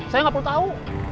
saya nggak perlu tau